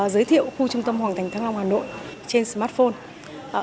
giới thiệu khu trung tâm hoàng thành thăng long hà nội trên smartphone